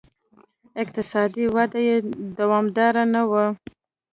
اقتصادي وده یې دوامداره نه وه